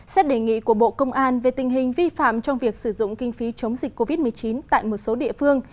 xét đề nghị của bộ công an về tình hình vi phạm trong việc sử dụng kinh phí chống dịch covid một mươi chín tại một số địa phương